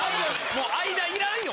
もう間いらんよ